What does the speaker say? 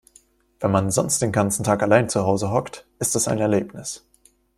Wenn man sonst den ganzen Tag allein zu Hause hockt, ist es ein Erlebnis.